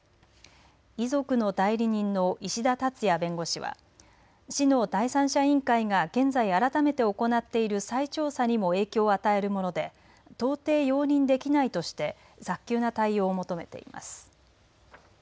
遺族の代理人の石田達也弁護士は市の第三者委員会が現在、改めて行っている再調査にも影響を与えるもので到底容認できないとして早急な対応を求めています。